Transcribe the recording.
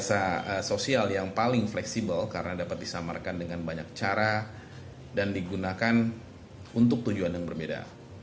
pising adalah salah satu rekayasa sosial yang paling fleksibel karena dapat disamarkan dengan banyak cara dan digunakan untuk tujuan yang berbeda